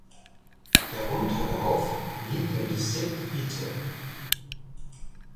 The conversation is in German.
Der Unterlauf liegt im Distrikt Ite.